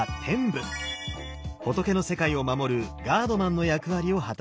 仏の世界を守るガードマンの役割を果たしています。